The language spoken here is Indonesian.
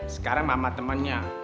sekarang mama temennya